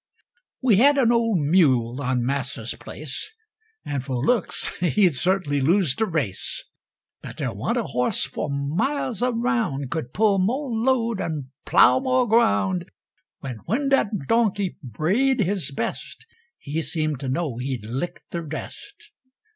We had an old mule on Massa's place, As fo' looks he'd certainly lose de race; But der wa'n't a horse fo' miles around Could pull mo' load or plow mo' ground. An' when dat donkey brayed his best, He seemed to know he'd licked de rest.